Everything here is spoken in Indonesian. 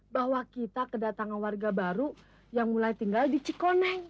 bahwa kita kedatangan warga baru yang mulai tinggal di cikoneng